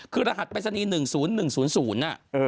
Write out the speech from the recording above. คือรหัสปริศนีย์๑๐๑๐๐น่ะ